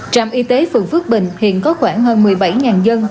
trạm y tế phường phước bình hiện có khoảng hơn một mươi bảy dân